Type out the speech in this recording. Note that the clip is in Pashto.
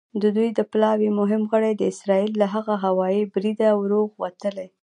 د دوی د پلاوي مهم غړي د اسرائیل له هغه هوايي بریده روغ وتلي.